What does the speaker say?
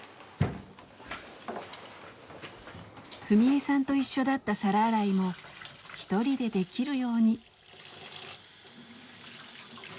史恵さんと一緒だった皿洗いも１人でできるように。